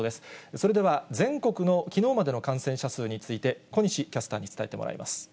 それでは、全国のきのうまでの感染者数について、小西キャスターに伝えてもらいます。